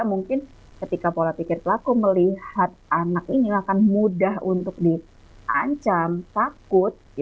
mungkin ketika pola pikir pelaku melihat anak ini akan mudah untuk diancam takut